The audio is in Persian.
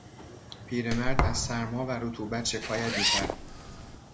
پیرمرد از سرما و رطوبت شکایت میکرد.